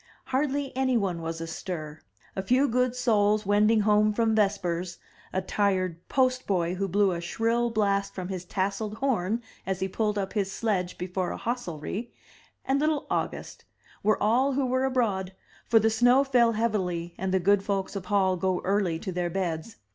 Hardly any one was astir; a few good souls wending home from vespers, a tired post boy who blew a shrill blast from his tasselled horn as he pulled up his sledge before a hostelry, and little August, were all who were abroad, for the snow fell heavily and the good folks of Hall go early to their beds.